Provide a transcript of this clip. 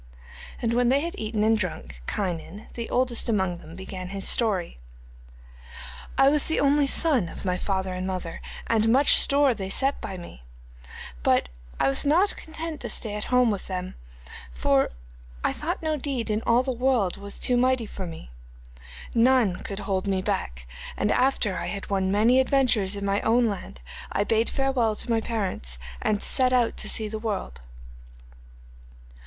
And when they had eaten and drunk, Kynon, the oldest among them, began his story. 'I was the only son of my father and mother, and much store they set by me, but I was not content to stay with them at home, for I thought no deed in all the world was too mighty for me. None could hold me back, and after I had won many adventures in my own land, I bade farewell to my parents and set out to see the world.